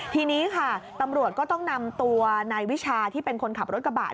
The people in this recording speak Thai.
ทีนี้ค่ะตำรวจก็ต้องนำตัวนายวิชาที่เป็นคนขับรถกระบะ